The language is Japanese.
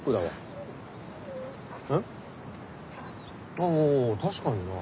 あぁ確かにな。